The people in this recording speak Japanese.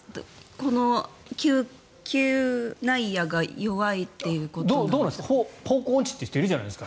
この嗅内野が弱いということなんですか？